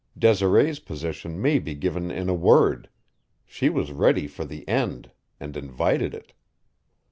Desiree's position may be given in a word she was ready for the end, and invited it.